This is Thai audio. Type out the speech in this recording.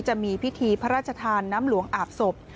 จะมีพิธีพระราชทานน้ำหลวงอาบศพ